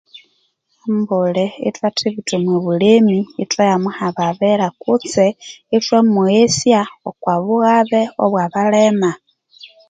Ambuli ithwathibitha omwa bulemi ithwaya muhababira kutse ithwamweghesya okwa bughabe obwa abalema